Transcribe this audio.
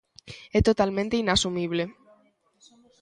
É totalmente inasumible.